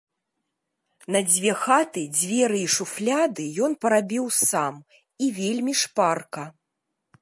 На дзве хаты дзверы і шуфляды ёй парабіў сам, і вельмі шпарка.